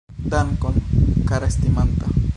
Dankon, kara estimanta